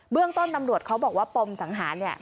เรื่องต้นตำรวจเขาบอกว่าปมสังหารเนี่ย